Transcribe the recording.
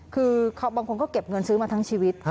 คือบางคนก็เก็บเงินซื้อมาทั้งชีวิต